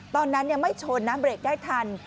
ตอนนั้นไม่ชนนะเบรกได้ทัน